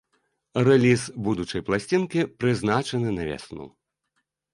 Рэліз будучай пласцінкі прызначаны на вясну.